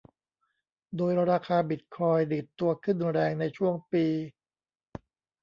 โดยราคาบิตคอยน์ดีดตัวขึ้นแรงในช่วงปี